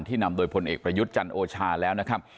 นำโดยพลเอกประยุทธ์จันทร์โอชาแล้วนะครับ